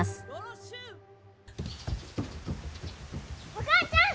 お母ちゃん！